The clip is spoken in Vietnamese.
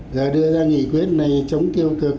giờ đưa ra nghị quyết này chống tiêu cực